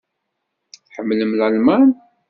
Tḥemmlemt Lalman?